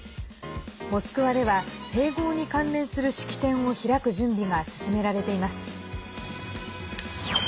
モスクワでは、併合に関連する式典を開く準備が進められています。